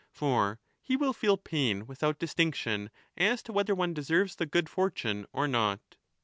For he will feel pain without distinction as to whether one deserves the good fortune or not.